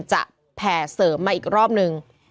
แผ่เสริมมาอีกรอบนึง